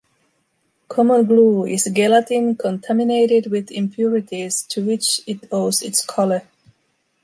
Common glue is gelatin contaminated with impurities, to which it owes its color.